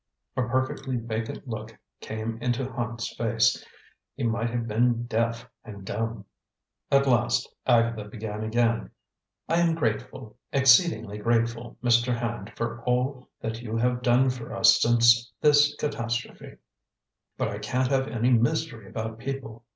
A perfectly vacant look came into Hand's face. He might have been deaf and dumb. At last Agatha began again. "I am grateful, exceedingly grateful, Mr. Hand, for all that you have done for us since this catastrophe, but I can't have any mystery about people.